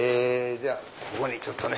じゃあここにちょっとね。